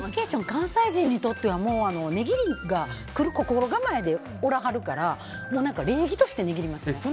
関西人にとっては値切りが来る心構えでおらはるから礼儀として値切りますよね。